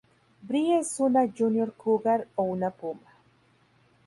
Bree es una "Junior Cougar" o una "Puma".